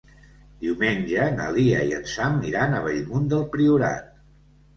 Diumenge na Lia i en Sam iran a Bellmunt del Priorat.